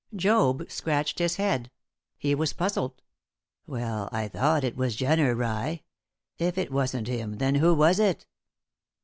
Job scratched his head; he was puzzled. "Well, I thought it was Jenner, rye; if it wasn't him, then who was it?"